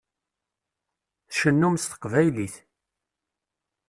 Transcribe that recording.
Tcennum s teqbaylit.